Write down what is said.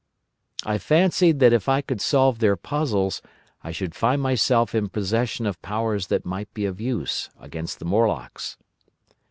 I fancied that if I could solve their puzzles I should find myself in possession of powers that might be of use against the Morlocks.